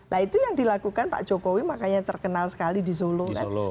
nah itu yang dilakukan pak jokowi makanya terkenal sekali di solo kan